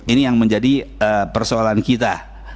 ini yang menjadi persoalan kita